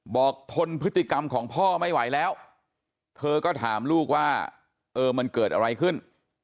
ทนพฤติกรรมของพ่อไม่ไหวแล้วเธอก็ถามลูกว่าเออมันเกิดอะไรขึ้น